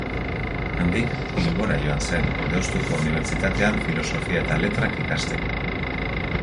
Handik Bilbora joan zen, Deustuko Unibertsitatean Filosofia eta Letrak ikasteko.